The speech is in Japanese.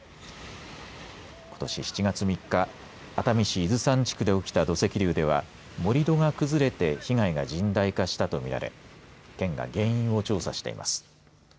ことし７月３日熱海市伊豆山地区で起きた土石流では盛り土が崩れて被害が甚大化したと見られ県が原因を調査しています。